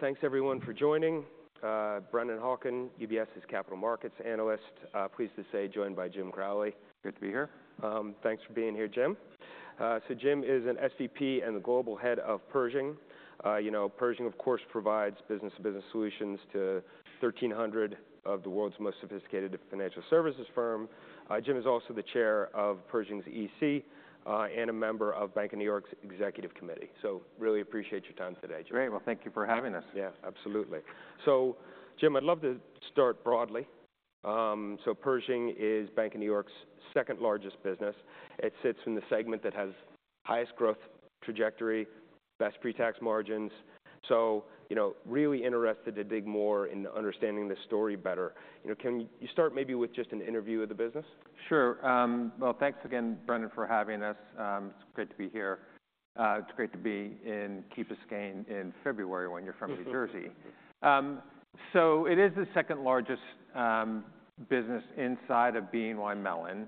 Thanks, everyone, for joining. Brennan Hawken, UBS's Capital Markets Analyst. Pleased to say joined by Jim Crowley. Good to be here. Thanks for being here, Jim. So Jim is an SVP and the global head of Pershing. Pershing, of course, provides business-to-business solutions to 1,300 of the world's most sophisticated financial services firms. Jim is also the chair of Pershing's EC and a member of BNY's executive committee. So really appreciate your time today, Jim. Great. Well, thank you for having us. Yeah, absolutely. So, Jim, I'd love to start broadly. So, Pershing is Bank of New York's second largest business. It sits in the segment that has highest growth trajectory, best pre-tax margins. So, really interested to dig more into understanding the story better. Can you start maybe with just an overview of the business? Sure. Well, thanks again, Brennan, for having us. It's great to be here. It's great to be in Key Biscaynein February when you're from New Jersey. It is the second largest business inside of BNY Mellon.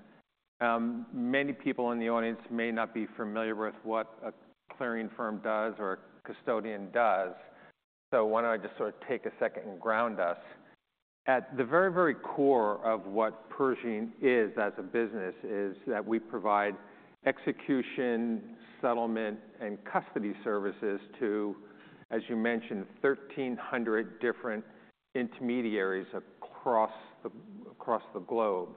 Many people in the audience may not be familiar with what a clearing firm does or a custodian does. Why don't I just sort of take a second and ground us? At the very, very core of what Pershing is as a business is that we provide execution, settlement, and custody services to, as you mentioned, 1,300 different intermediaries across the globe.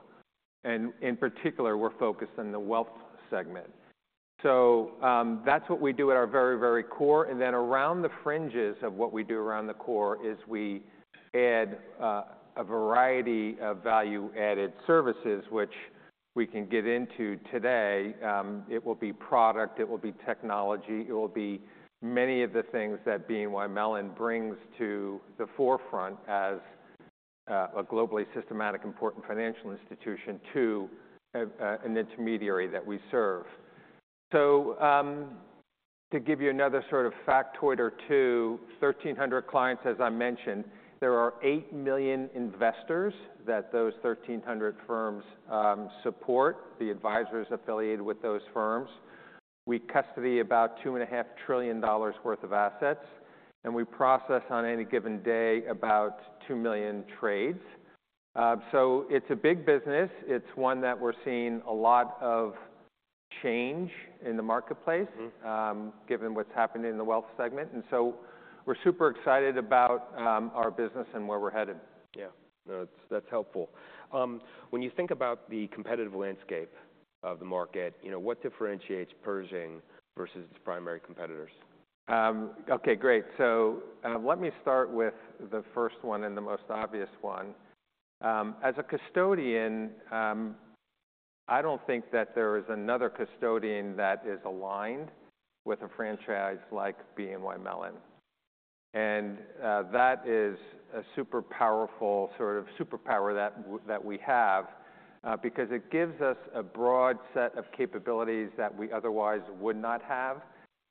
And in particular, we're focused on the wealth segment. That's what we do at our very, very core. And then around the fringes of what we do around the core is we add a variety of value-added services, which we can get into today. It will be product. It will be technology. It will be many of the things that BNY Mellon brings to the forefront as a globally systemically important financial institution to an intermediary that we serve. So to give you another sort of factoid or two, 1,300 clients, as I mentioned, there are 8 million investors that those 1,300 firms support, the advisors affiliated with those firms. We custody about $2.5 trillion worth of assets. And we process on any given day about 2 million trades. So it's a big business. It's one that we're seeing a lot of change in the marketplace given what's happening in the wealth segment. And so we're super excited about our business and where we're headed. Yeah. No, that's helpful. When you think about the competitive landscape of the market, what differentiates Pershing versus its primary competitors? OK, great. So let me start with the first one and the most obvious one. As a custodian, I don't think that there is another custodian that is aligned with a franchise like BNY Mellon. And that is a super powerful sort of superpower that we have because it gives us a broad set of capabilities that we otherwise would not have.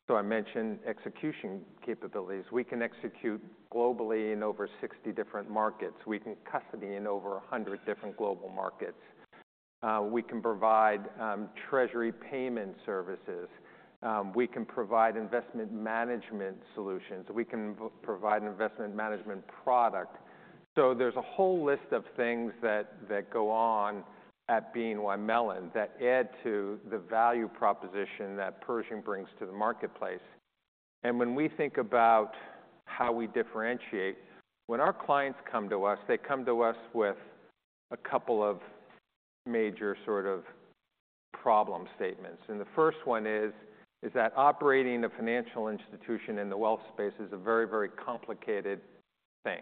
So I mentioned execution capabilities. We can execute globally in over 60 different markets. We can custody in over 100 different global markets. We can provide treasury payment services. We can provide investment management solutions. We can provide an investment management product. So there's a whole list of things that go on at BNY Mellon that add to the value proposition that Pershing brings to the marketplace. When we think about how we differentiate, when our clients come to us, they come to us with a couple of major sort of problem statements. The first one is that operating a financial institution in the wealth space is a very, very complicated thing.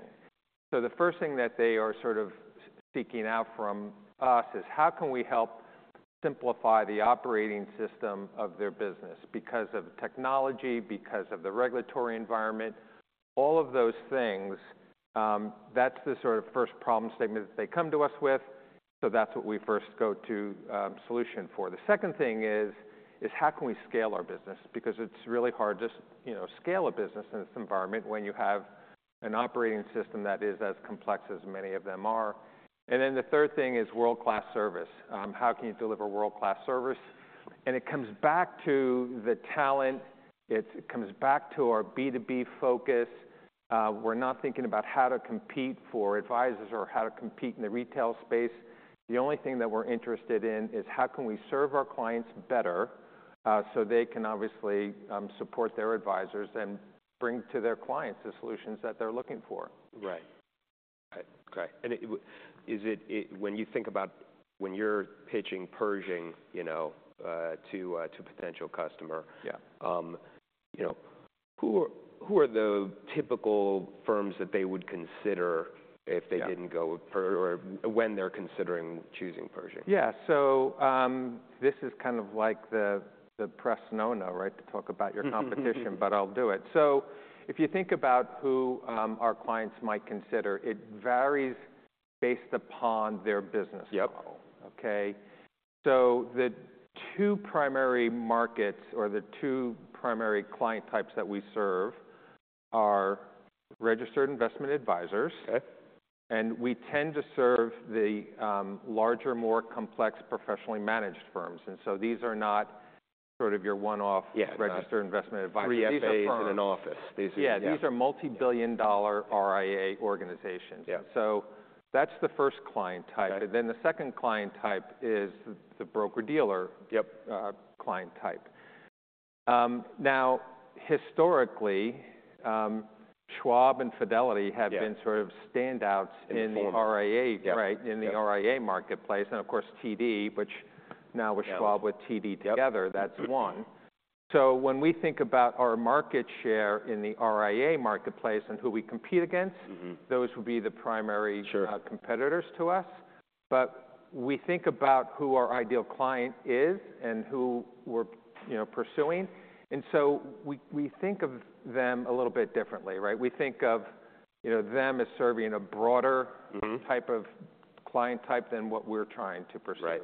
The first thing that they are sort of seeking out from us is, how can we help simplify the operating system of their business because of technology, because of the regulatory environment, all of those things? That's the sort of first problem statement that they come to us with. That's what we first go to solution for. The second thing is, how can we scale our business? Because it's really hard to scale a business in this environment when you have an operating system that is as complex as many of them are. The third thing is world-class service. How can you deliver world-class service? It comes back to the talent. It comes back to our B2B focus. We're not thinking about how to compete for advisors or how to compete in the retail space. The only thing that we're interested in is, how can we serve our clients better so they can obviously support their advisors and bring to their clients the solutions that they're looking for? Right. OK. And when you think about when you're pitching Pershing to a potential customer, who are the typical firms that they would consider if they didn't go or when they're considering choosing Pershing? Yeah. So this is kind of like the press no-no, right, to talk about your competition. But I'll do it. So if you think about who our clients might consider, it varies based upon their business model. So the two primary markets or the two primary client types that we serve are Registered Investment Advisors. And we tend to serve the larger, more complex, professionally managed firms. And so these are not sort of your one-off Registered Investment Advisors. RIAs in an office. Yeah. These are multi-billion-dollar RIA organizations. So that's the first client type. Then the second client type is the broker-dealer client type. Now, historically, Schwab and Fidelity have been sort of standouts in the RIA marketplace. And of course, TD, which now with Schwab with TD together, that's one. So when we think about our market share in the RIA marketplace and who we compete against, those would be the primary competitors to us. But we think about who our ideal client is and who we're pursuing. And so we think of them a little bit differently. We think of them as serving a broader type of client type than what we're trying to pursue.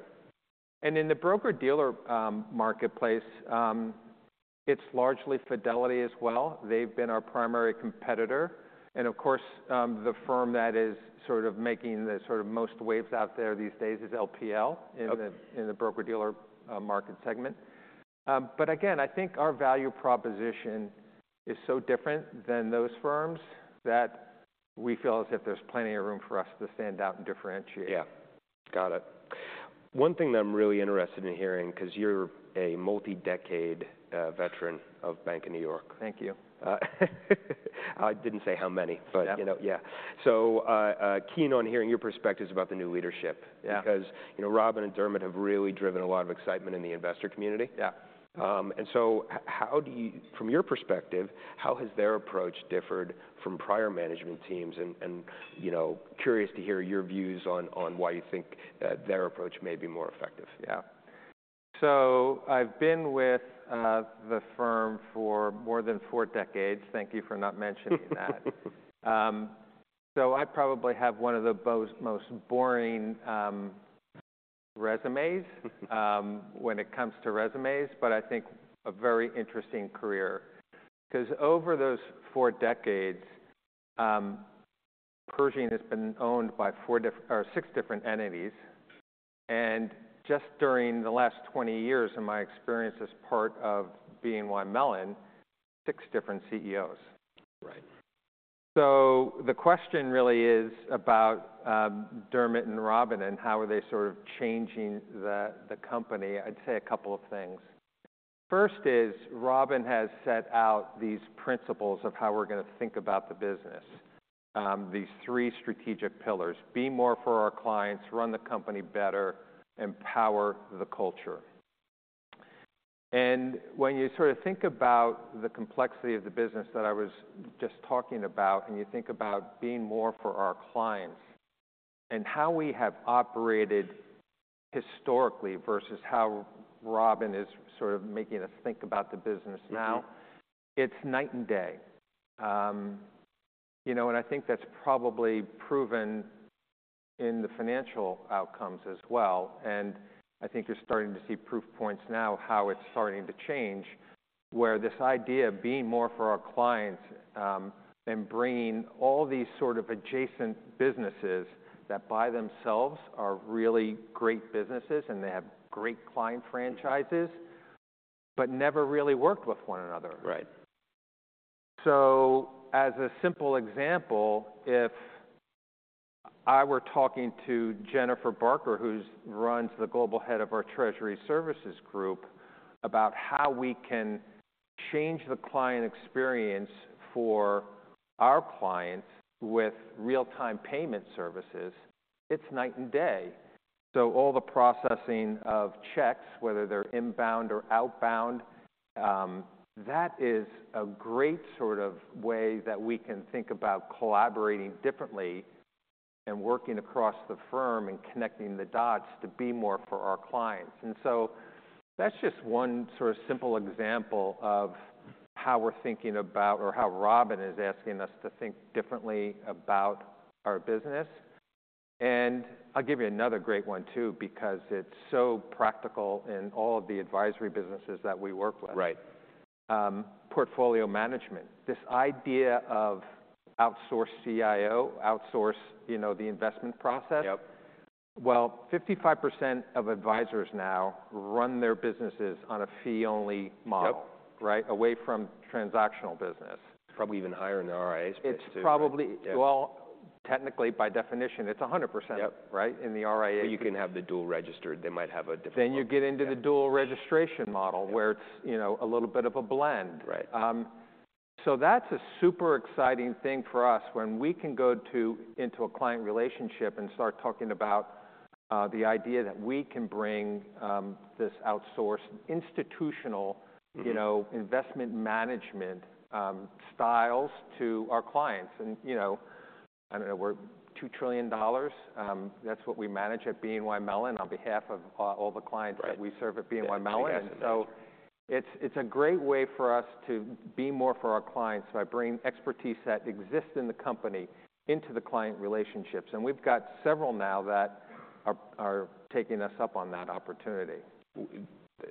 And in the broker-dealer marketplace, it's largely Fidelity as well. They've been our primary competitor. Of course, the firm that is sort of making the sort of most waves out there these days is LPL in the broker-dealer market segment. Again, I think our value proposition is so different than those firms that we feel as if there's plenty of room for us to stand out and differentiate. Yeah. Got it. One thing that I'm really interested in hearing because you're a multi-decade veteran of Bank of New York Mellon. Thank you. I didn't say how many. But yeah. So keen on hearing your perspectives about the new leadership because Robin and Dermot have really driven a lot of excitement in the investor community. And so from your perspective, how has their approach differed from prior management teams? And curious to hear your views on why you think their approach may be more effective. Yeah. So I've been with the firm for more than four decades. Thank you for not mentioning that. So I probably have one of the most boring resumes when it comes to resumes. But I think a very interesting career because over those four decades, Pershing has been owned by six different entities. And just during the last 20 years of my experience as part of BNY Mellon, six different CEOs. So the question really is about Dermot and Robin and how are they sort of changing the company. I'd say a couple of things. First is Robin has set out these principles of how we're going to think about the business, these three strategic pillars: be more for our clients, run the company better, empower the culture. And when you sort of think about the complexity of the business that I was just talking about and you think about being more for our clients and how we have operated historically versus how Robin is sort of making us think about the business now, it's night and day. And I think that's probably proven in the financial outcomes as well. And I think you're starting to see proof points now how it's starting to change where this idea of being more for our clients and bringing all these sort of adjacent businesses that by themselves are really great businesses and they have great client franchises but never really worked with one another. So as a simple example, if I were talking to Jennifer Barker, who runs the global head of our Treasury Services group, about how we can change the client experience for our clients with real-time payment services, it's night and day. So all the processing of checks, whether they're inbound or outbound, that is a great sort of way that we can think about collaborating differently and working across the firm and connecting the dots to be more for our clients. And so that's just one sort of simple example of how we're thinking about or how Robin is asking us to think differently about our business. And I'll give you another great one too because it's so practical in all of the advisory businesses that we work with. Portfolio management, this idea of outsource CIO, outsource the investment process. Well, 55% of advisors now run their businesses on a fee-only model, away from transactional business. It's probably even higher in the RIA space too. Well, technically, by definition, it's 100% in the RIA. You can have the dual-registered. They might have a different. Then you get into the dual-registration model where it's a little bit of a blend. So that's a super exciting thing for us when we can go into a client relationship and start talking about the idea that we can bring this outsourced institutional investment management styles to our clients. And I don't know. We're $2 trillion. That's what we manage at BNY Mellon on behalf of all the clients that we serve at BNY Mellon. So it's a great way for us to be more for our clients by bringing expertise that exists in the company into the client relationships. And we've got several now that are taking us up on that opportunity.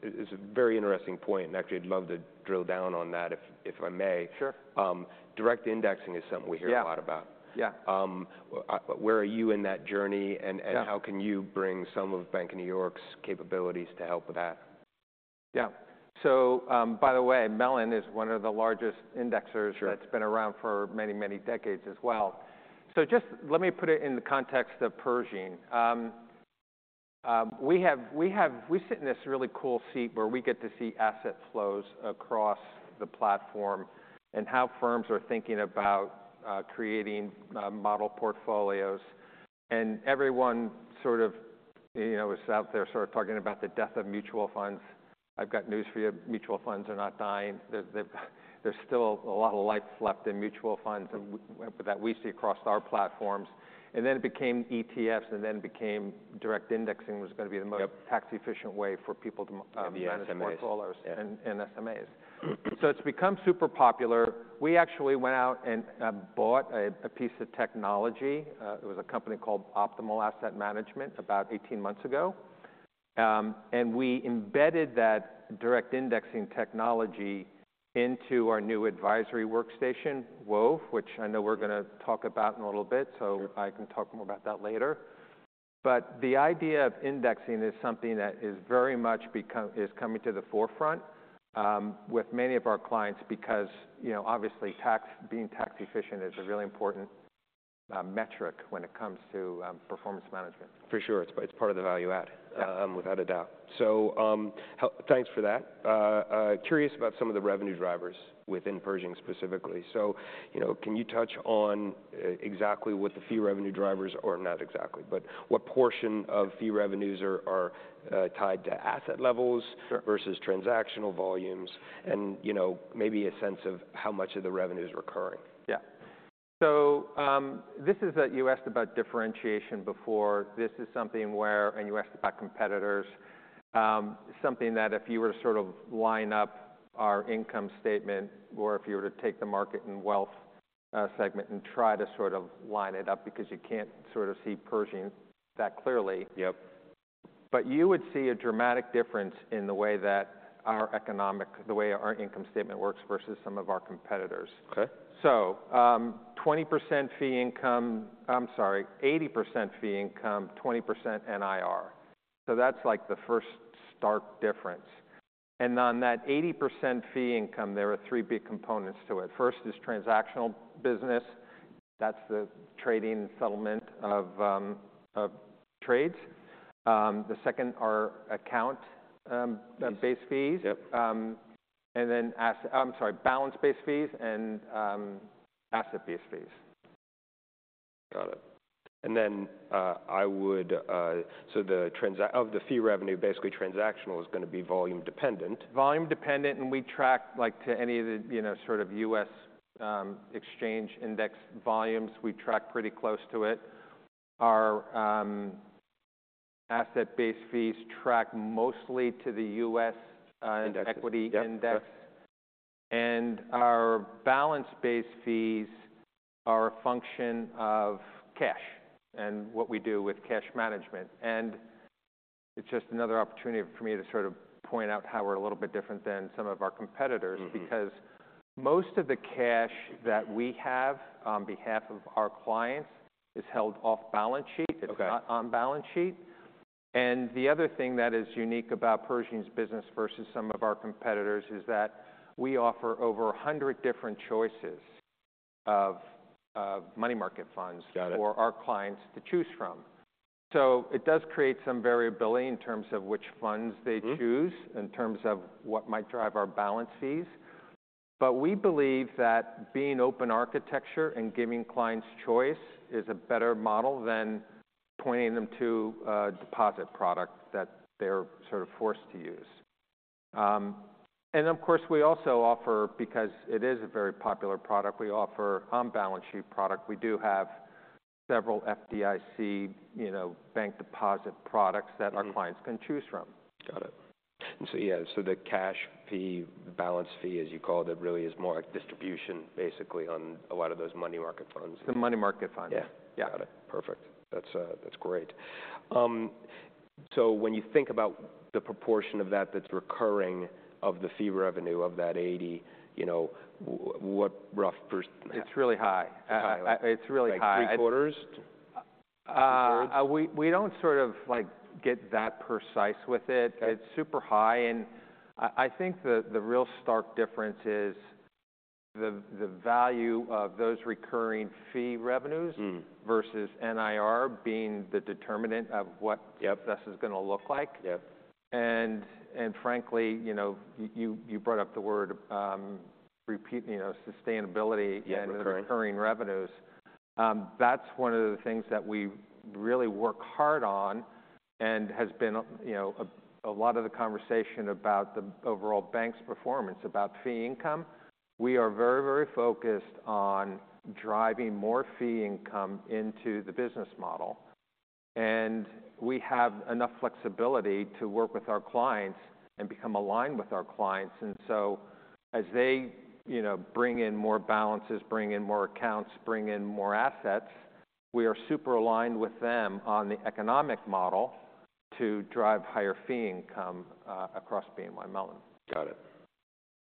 It's a very interesting point. Actually, I'd love to drill down on that if I may. Direct indexing is something we hear a lot about. Where are you in that journey? And how can you bring some of Bank of New York Mellon's capabilities to help with that? Yeah. So by the way, Mellon is one of the largest indexers that's been around for many, many decades as well. So just let me put it in the context of Pershing. We sit in this really cool seat where we get to see asset flows across the platform and how firms are thinking about creating model portfolios. And everyone sort of is out there sort of talking about the death of mutual funds. I've got news for you. Mutual funds are not dying. There's still a lot of life left in mutual funds that we see across our platforms. And then it became ETFs. And then it became direct indexing was going to be the most tax-efficient way for people to manage portfolios and SMAs. So it's become super popular. We actually went out and bought a piece of technology. It was a company called Optimal Asset Management about 18 months ago. We embedded that direct indexing technology into our new advisory workstation, Wove, which I know we're going to talk about in a little bit. I can talk more about that later. The idea of indexing is something that is very much coming to the forefront with many of our clients because obviously, being tax-efficient is a really important metric when it comes to performance management. For sure. It's part of the value add, without a doubt. So thanks for that. Curious about some of the revenue drivers within Pershing specifically. So can you touch on exactly what the fee revenue drivers are or not exactly, but what portion of fee revenues are tied to asset levels versus transactional volumes and maybe a sense of how much of the revenue is recurring? Yeah. So this is that you asked about differentiation before. This is something where and you asked about competitors, something that if you were to sort of line up our income statement or if you were to take the market and wealth segment and try to sort of line it up because you can't sort of see Pershing that clearly. But you would see a dramatic difference in the way that our economic the way our income statement works versus some of our competitors. So 20% fee income, I'm sorry, 80% fee income, 20% NIR. So that's like the first stark difference. And on that 80% fee income, there are three big components to it. First is transactional business. That's the trading and settlement of trades. The second are account-based fees. And then, I'm sorry, balance-based fees and asset-based fees. Got it. And then so of the fee revenue, basically transactional is going to be volume dependent. Volume dependent. We track to any of the sort of U.S. exchange index volumes; we track pretty close to it. Our asset-based fees track mostly to the U.S. equity index. Our balance-based fees are a function of cash and what we do with cash management. It's just another opportunity for me to sort of point out how we're a little bit different than some of our competitors because most of the cash that we have on behalf of our clients is held off balance sheet. It's not on balance sheet. The other thing that is unique about Pershing's business versus some of our competitors is that we offer over 100 different choices of money market funds for our clients to choose from. It does create some variability in terms of which funds they choose in terms of what might drive our balance fees. But we believe that being open architecture and giving clients choice is a better model than pointing them to a deposit product that they're sort of forced to use. And of course, we also offer, because it is a very popular product, we offer on-balance sheet product. We do have several FDIC bank deposit products that our clients can choose from. Got it. And so yeah. So the cash fee balance fee, as you call it, really is more like distribution basically on a lot of those money market funds. The money market funds. Yeah. Got it. Perfect. That's great. So when you think about the proportion of that that's recurring of the fee revenue of that 80, what rough? It's really high. It's really high. Like three-quarters? We don't sort of get that precise with it. It's super high. And I think the real stark difference is the value of those recurring fee revenues versus NIR being the determinant of what this is going to look like. And frankly, you brought up the word sustainability and the recurring revenues. That's one of the things that we really work hard on and has been a lot of the conversation about the overall bank's performance about fee income. We are very, very focused on driving more fee income into the business model. And we have enough flexibility to work with our clients and become aligned with our clients. And so as they bring in more balances, bring in more accounts, bring in more assets, we are super aligned with them on the economic model to drive higher fee income across BNY Mellon. Got it.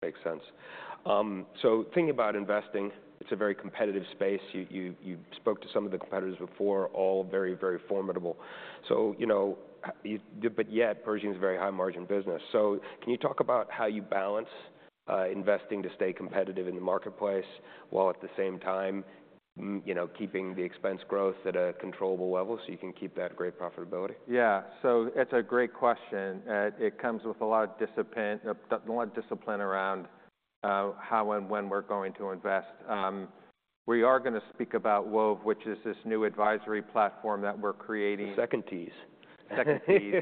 Makes sense. So thinking about investing, it's a very competitive space. You spoke to some of the competitors before, all very, very formidable. But yet, Pershing's a very high-margin business. So can you talk about how you balance investing to stay competitive in the marketplace while at the same time keeping the expense growth at a controllable level so you can keep that great profitability? Yeah. So it's a great question. It comes with a lot of discipline around how and when we're going to invest. We are going to speak about Wove, which is this new advisory platform that we're creating. The second tease. Second tease.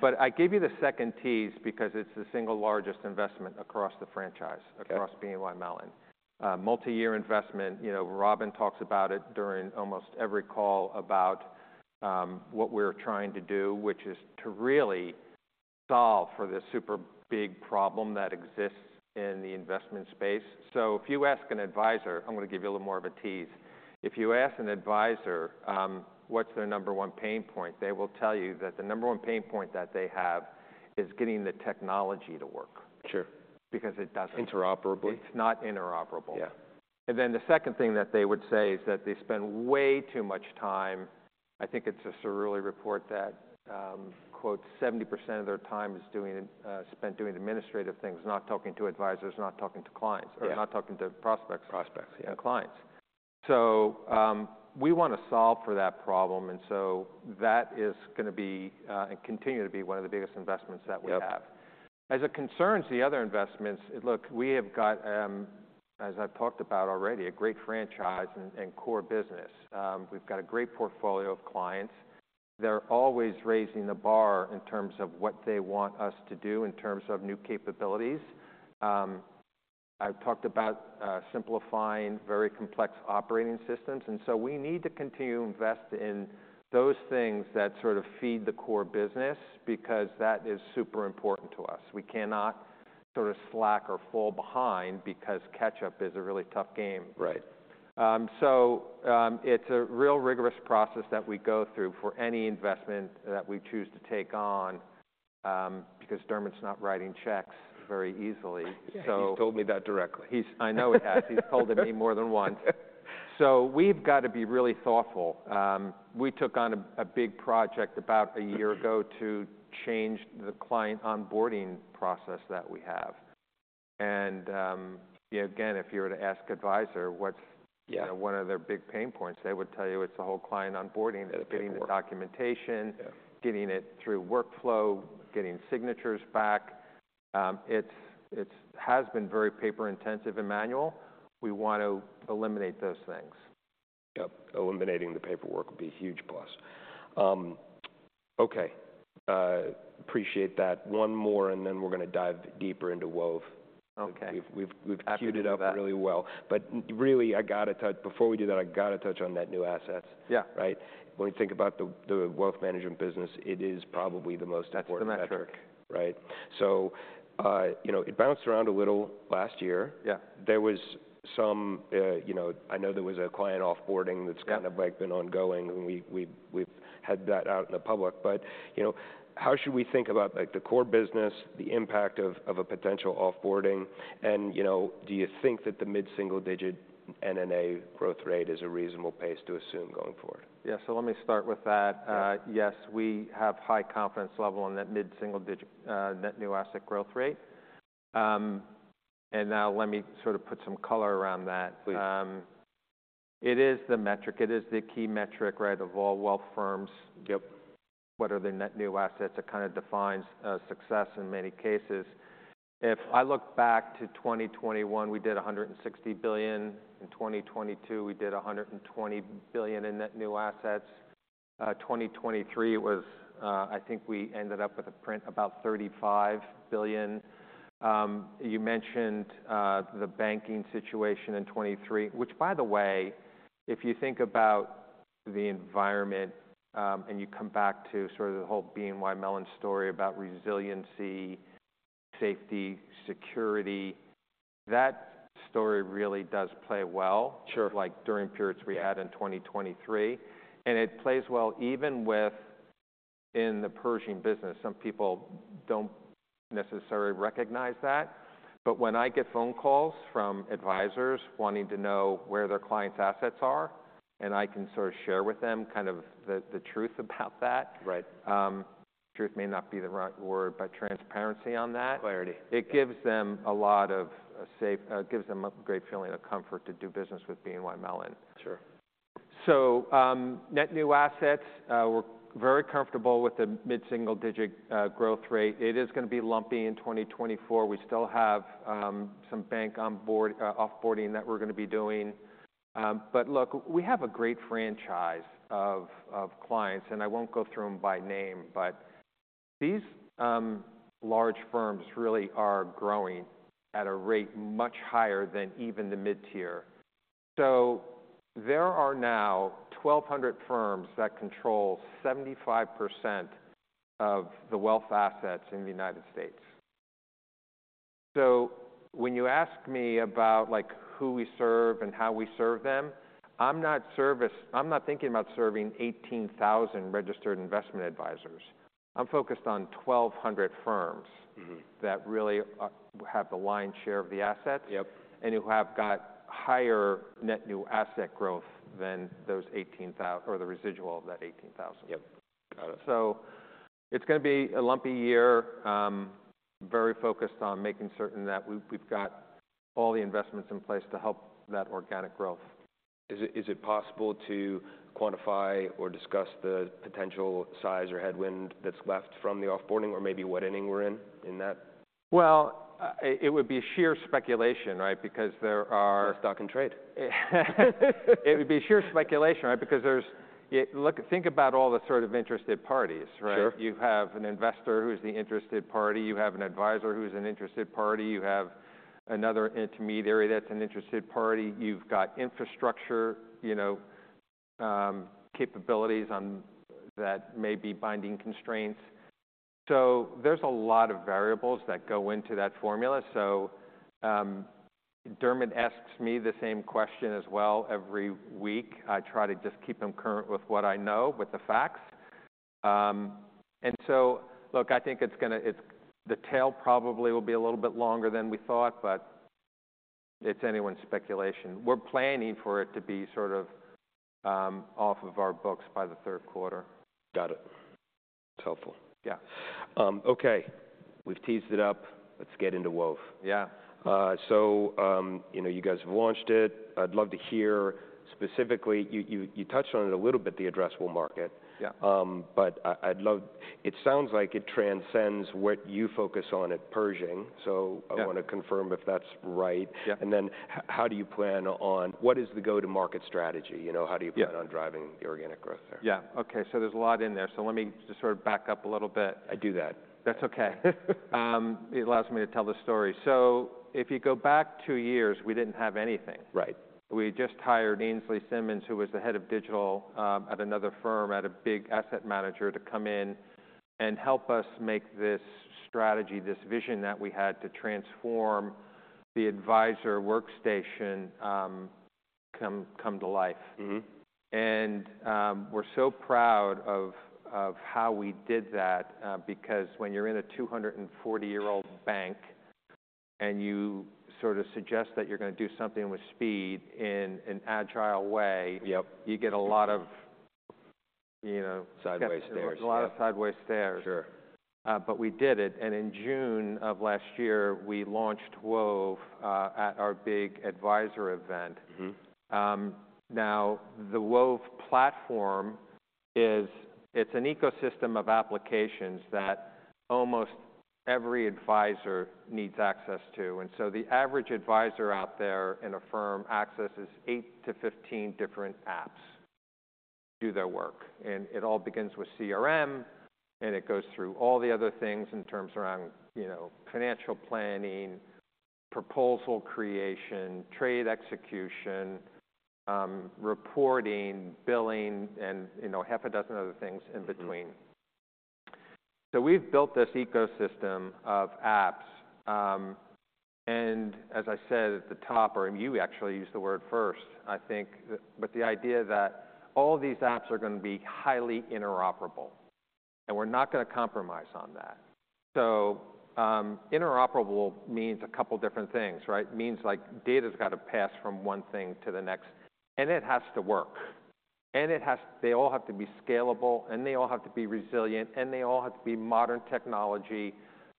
But I gave you the second tease because it's the single largest investment across the franchise, across BNY Mellon, multi-year investment. Robin talks about it during almost every call about what we're trying to do, which is to really solve for this super big problem that exists in the investment space. So if you ask an advisor, I'm going to give you a little more of a tease. If you ask an advisor, what's their number one pain point? They will tell you that the number one pain point that they have is getting the technology to work because it doesn't. Interoperably? It's not interoperable. Yeah. And then the second thing that they would say is that they spend way too much time, I think it's a Cerulli report that quotes 70% of their time is spent doing administrative things, not talking to advisors, not talking to clients, or not talking to prospects and clients. So we want to solve for that problem. And so that is going to be and continue to be one of the biggest investments that we have. As it concerns the other investments, look, we have got, as I've talked about already, a great franchise and core business. We've got a great portfolio of clients. They're always raising the bar in terms of what they want us to do in terms of new capabilities. I've talked about simplifying very complex operating systems. So we need to continue to invest in those things that sort of feed the core business because that is super important to us. We cannot sort of slack or fall behind because catch-up is a really tough game. So it's a real rigorous process that we go through for any investment that we choose to take on because Dermot's not writing checks very easily. He's told me that directly. I know it has. He's told it to me more than once. So we've got to be really thoughtful. We took on a big project about a year ago to change the client onboarding process that we have. And again, if you were to ask an advisor, what's one of their big pain points, they would tell you it's the whole client onboarding, getting the documentation, getting it through workflow, getting signatures back. It has been very paper-intensive and manual. We want to eliminate those things. Yep. Eliminating the paperwork would be a huge plus. OK. Appreciate that. One more, and then we're going to dive deeper into Wove. We've queued it up really well. But really, I got to touch before we do that, I got to touch on that new assets. When we think about the wealth management business, it is probably the most important metric. So it bounced around a little last year. There was some, I know, there was a client offboarding that's kind of been ongoing. And we've had that out in the public. But how should we think about the core business, the impact of a potential offboarding? And do you think that the mid-single-digit NNA growth rate is a reasonable pace to assume going forward? Yeah. Let me start with that. Yes, we have high confidence level on that mid-single-digit net new asset growth rate. Now let me sort of put some color around that. It is the metric. It is the key metric of all wealth firms. What are their net new assets? It kind of defines success in many cases. If I look back to 2021, we did $160 billion. In 2022, we did $120 billion in net new assets. 2023, it was I think we ended up with a print about $35 billion. You mentioned the banking situation in 2023, which by the way, if you think about the environment and you come back to sort of the whole BNY Mellon story about resiliency, safety, security, that story really does play well during periods we had in 2023. It plays well even within the Pershing business. Some people don't necessarily recognize that. But when I get phone calls from advisors wanting to know where their clients' assets are, and I can sort of share with them kind of the truth about that, truth may not be the right word, but transparency on that, it gives them a lot of safe, it gives them a great feeling of comfort to do business with BNY Mellon. So net new assets, we're very comfortable with the mid-single digit growth rate. It is going to be lumpy in 2024. We still have some bank offboarding that we're going to be doing. But look, we have a great franchise of clients. And I won't go through them by name. But these large firms really are growing at a rate much higher than even the mid-tier. There are now 1,200 firms that control 75% of the wealth assets in the United States. When you ask me about who we serve and how we serve them, I'm not thinking about serving 18,000 registered investment advisors. I'm focused on 1,200 firms that really have the lion's share of the assets and who have got higher net new asset growth than those 18,000 or the residual of that 18,000. It's going to be a lumpy year, very focused on making certain that we've got all the investments in place to help that organic growth. Is it possible to quantify or discuss the potential size or headwind that's left from the offboarding or maybe what inning we're in in that? Well, it would be sheer speculation because there are. Let's dock and trade. It would be sheer speculation because there's think about all the sort of interested parties. You have an investor who is the interested party. You have an advisor who is an interested party. You have another intermediary that's an interested party. You've got infrastructure capabilities that may be binding constraints. So there's a lot of variables that go into that formula. So Dermot asks me the same question as well every week. I try to just keep him current with what I know with the facts. And so look, I think it's going to the tail probably will be a little bit longer than we thought. But it's anyone's speculation. We're planning for it to be sort of off of our books by the third quarter. Got it. That's helpful. Yeah, OK. We've teased it up. Let's get into Wove. Yeah, so you guys have launched it. I'd love to hear specifically you touched on it a little bit, the addressable market. But it sounds like it transcends what you focus on at Pershing. So I want to confirm if that's right. And then how do you plan on what is the go-to-market strategy? How do you plan on driving the organic growth there? Yeah. OK. So there's a lot in there. So let me just sort of back up a little bit. I do that. That's OK. It allows me to tell the story. So if you go back two years, we didn't have anything. We just hired Ainslie Simmonds, who was the head of digital at another firm, had a big asset manager to come in and help us make this strategy, this vision that we had to transform the advisor workstation come to life. And we're so proud of how we did that because when you're in a 240-year-old bank and you sort of suggest that you're going to do something with speed in an agile way, you get a lot of. Sideways stairs. A lot of sideways stairs. But we did it. In June of last year, we launched Wove at our big advisor event. Now, the Wove platform is—it's an ecosystem of applications that almost every advisor needs access to. And so the average advisor out there in a firm accesses 8-15 different apps to do their work. And it all begins with CRM. And it goes through all the other things in terms around financial planning, proposal creation, trade execution, reporting, billing, and half a dozen other things in between. So we've built this ecosystem of apps. And as I said at the top, or you actually used the word first, I think, but the idea that all these apps are going to be highly interoperable. And we're not going to compromise on that. So interoperable means a couple different things. It means data's got to pass from one thing to the next. And it has to work. And they all have to be scalable. And they all have to be resilient. And they all have to be modern technology.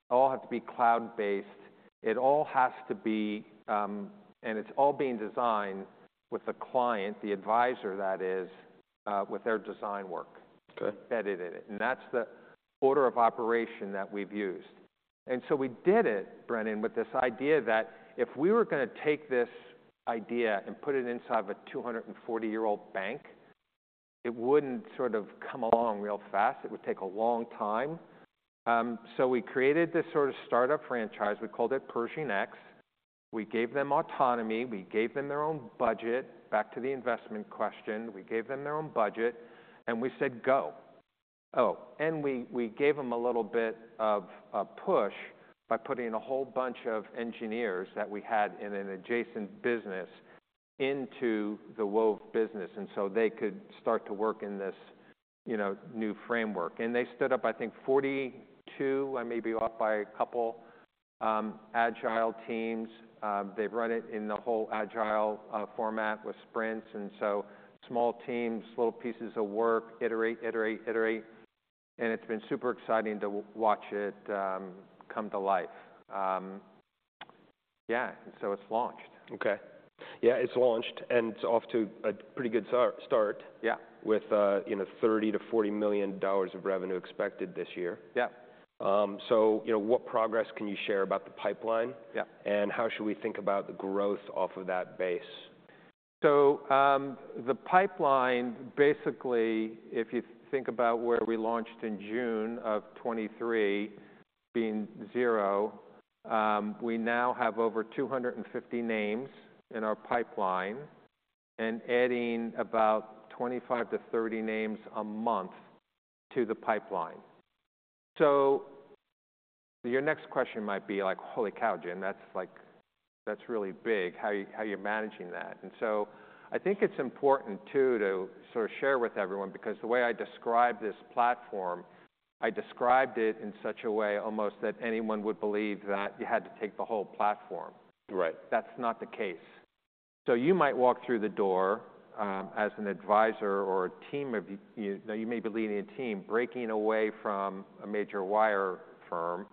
They all have to be cloud-based. It all has to be and it's all being designed with the client, the advisor that is, with their design work embedded in it. And that's the order of operation that we've used. And so we did it, Brennan, with this idea that if we were going to take this idea and put it inside of a 240-year-old bank, it wouldn't sort of come along real fast. It would take a long time. So we created this sort of startup franchise. We called it Pershing X. We gave them autonomy. We gave them their own budget. Back to the investment question. We gave them their own budget. We said, go. Oh. We gave them a little bit of a push by putting a whole bunch of engineers that we had in an adjacent business into the Wove business. They could start to work in this new framework. They stood up, I think, 42, maybe off by a couple, Agile teams. They've run it in the whole Agile format with sprints. Small teams, little pieces of work, iterate, iterate, iterate. It's been super exciting to watch it come to life. Yeah. It's launched. OK. Yeah, it's launched. And it's off to a pretty good start with $30 million-$40 million of revenue expected this year. Yeah. So what progress can you share about the pipeline? And how should we think about the growth off of that base? So the pipeline, basically, if you think about where we launched in June of 2023 being 0, we now have over 250 names in our pipeline and adding about 25-30 names a month to the pipeline. So your next question might be like, holy cow, Jim, that's really big. How are you managing that? And so I think it's important, too, to sort of share with everyone because the way I described this platform, I described it in such a way almost that anyone would believe that you had to take the whole platform. That's not the case. So you might walk through the door as an advisor or a team of you may be leading a team breaking away from a major wire firm.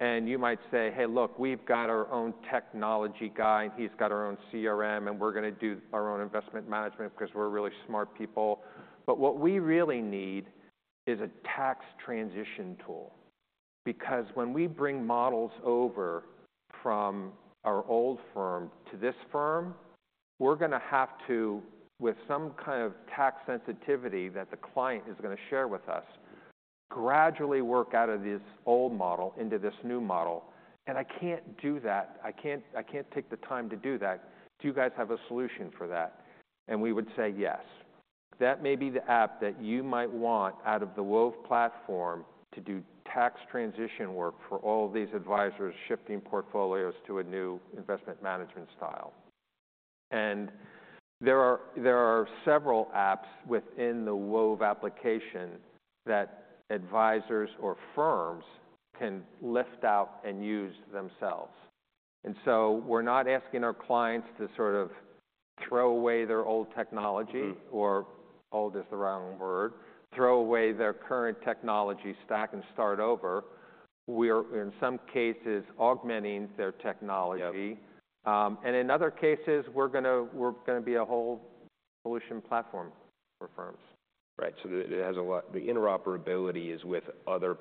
And you might say, hey, look, we've got our own technology guy. And he's got our own CRM. We're going to do our own investment management because we're really smart people. But what we really need is a tax transition tool because when we bring models over from our old firm to this firm, we're going to have to, with some kind of tax sensitivity that the client is going to share with us, gradually work out of this old model into this new model. And I can't do that. I can't take the time to do that. Do you guys have a solution for that? And we would say, yes. That may be the app that you might want out of the Wove platform to do tax transition work for all of these advisors shifting portfolios to a new investment management style. And there are several apps within the Wove application that advisors or firms can lift out and use themselves. And so we're not asking our clients to sort of throw away their old technology or old is the wrong word throw away their current technology, stack, and start over. We are, in some cases, augmenting their technology. And in other cases, we're going to be a whole solution platform for firms. Right. So it has a lot. The interoperability is with other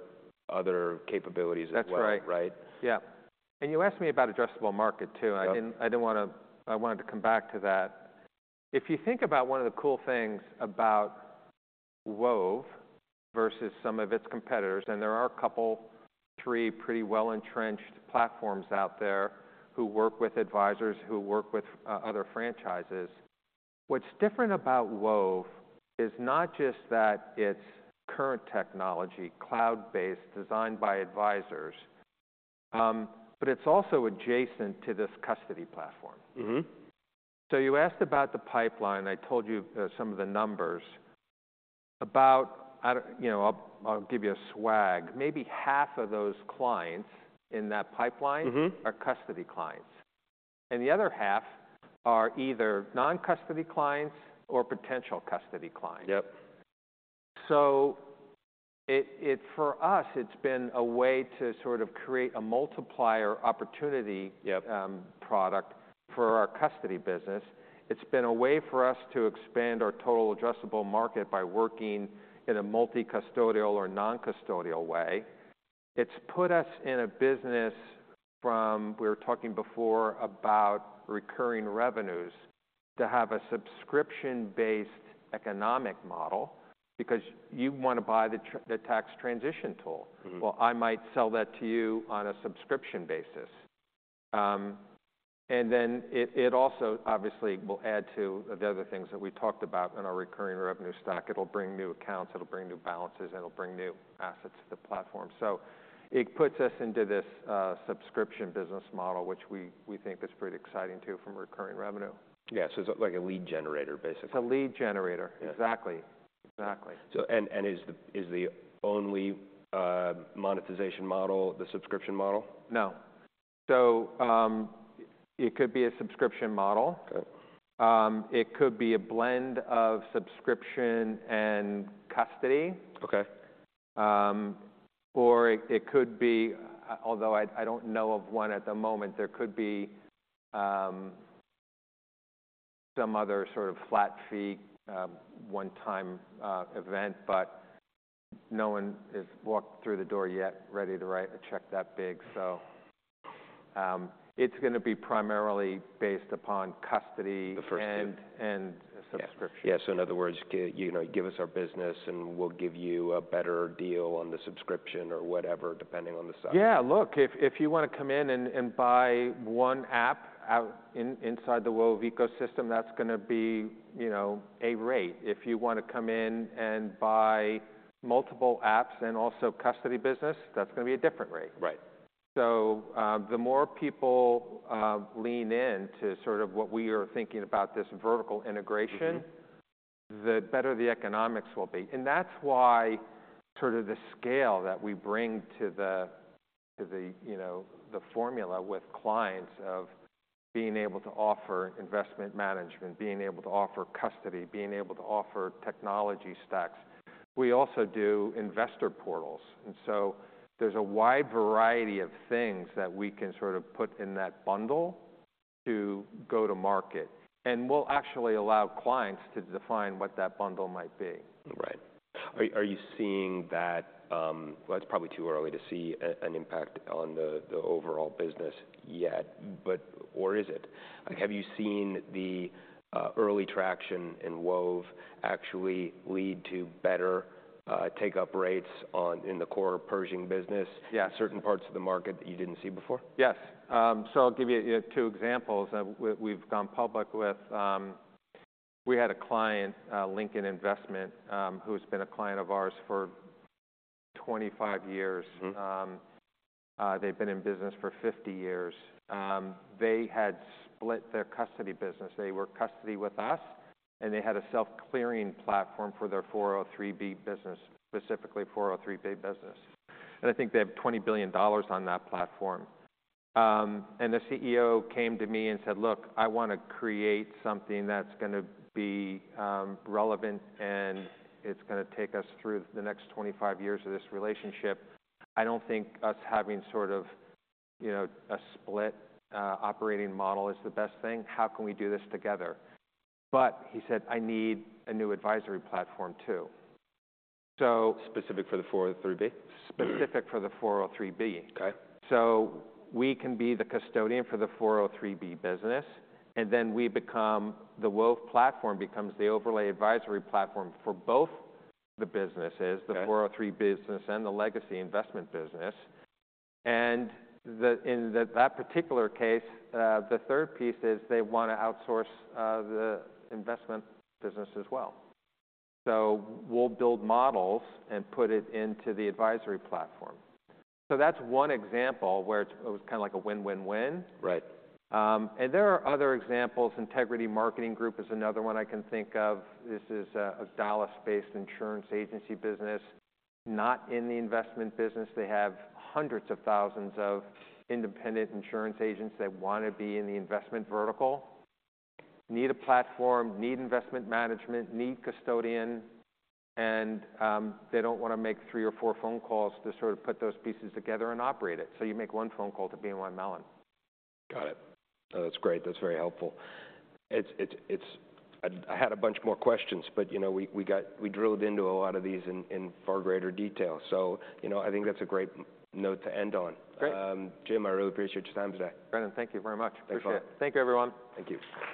capabilities as well. That's right. Yeah. And you asked me about addressable market, too. I didn't want to, I wanted to come back to that. If you think about one of the cool things about Wove versus some of its competitors, and there are a couple, three pretty well-entrenched platforms out there who work with advisors, who work with other franchises, what's different about Wove is not just that it's current technology, cloud-based, designed by advisors. But it's also adjacent to this custody platform. So you asked about the pipeline. I told you some of the numbers about. I'll give you a swag. Maybe half of those clients in that pipeline are custody clients. And the other half are either non-custody clients or potential custody clients. So for us, it's been a way to sort of create a multiplier opportunity product for our custody business. It's been a way for us to expand our total addressable market by working in a multi-custodial or non-custodial way. It's put us in a business from we were talking before about recurring revenues to have a subscription-based economic model because you want to buy the tax transition tool. Well, I might sell that to you on a subscription basis. And then it also, obviously, will add to the other things that we talked about in our recurring revenue stack. It'll bring new accounts. It'll bring new balances. And it'll bring new assets to the platform. So it puts us into this subscription business model, which we think is pretty exciting, too, from recurring revenue. Yeah. So it's like a lead generator, basically. It's a lead generator. Exactly. Exactly. Is the only monetization model the subscription model? No. So it could be a subscription model. It could be a blend of subscription and custody. Or it could be although I don't know of one at the moment, there could be some other sort of flat fee one-time event. But no one has walked through the door yet ready to write a check that big. So it's going to be primarily based upon custody and subscription. Yeah. So in other words, give us our business. We'll give you a better deal on the subscription or whatever, depending on the size. Yeah. Look, if you want to come in and buy one app inside the Wove ecosystem, that's going to be a rate. If you want to come in and buy multiple apps and also custody business, that's going to be a different rate. So the more people lean in to sort of what we are thinking about this vertical integration, the better the economics will be. And that's why sort of the scale that we bring to the formula with clients of being able to offer investment management, being able to offer custody, being able to offer technology stacks, we also do investor portals. And so there's a wide variety of things that we can sort of put in that bundle to go to market. And we'll actually allow clients to define what that bundle might be. Right. Are you seeing that? Well, it's probably too early to see an impact on the overall business yet. But, or is it? Have you seen the early traction in Wove actually lead to better take-up rates in the core Pershing business, certain parts of the market that you didn't see before? Yes. So I'll give you two examples that we've gone public with. We had a client, Lincoln Investment, who's been a client of ours for 25 years. They've been in business for 50 years. They had split their custody business. They were custody with us. And they had a self-clearing platform for their 403(b) business, specifically 403(b) business. And I think they have $20 billion on that platform. And the CEO came to me and said, look, I want to create something that's going to be relevant. And it's going to take us through the next 25 years of this relationship. I don't think us having sort of a split operating model is the best thing. How can we do this together? But he said, I need a new advisory platform, too. Specific for the 403(b)? Specifically for the 403(b). So we can be the custodian for the 403(b) business. And then the Wove platform becomes the overlay advisory platform for both the businesses, the 403(b) business and the legacy investment business. And in that particular case, the third piece is they want to outsource the investment business as well. So we'll build models and put it into the advisory platform. So that's one example where it was kind of like a win-win-win. And there are other examples. Integrity Marketing Group is another one I can think of. This is a Dallas-based insurance agency business, not in the investment business. They have hundreds of thousands of independent insurance agents that want to be in the investment vertical, need a platform, need investment management, need custodian. They don't want to make three or four phone calls to sort of put those pieces together and operate it. You make one phone call to BNY Mellon. Got it. That's great. That's very helpful. I had a bunch more questions. But we drilled into a lot of these in far greater detail. So I think that's a great note to end on. Jim, I really appreciate your time today. Brennan, thank you very much. Appreciate it. Thank you, everyone. Thank you.